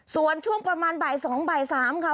ส่วนช่วงประมาณบ่าย๒บ่าย๓ค่ะ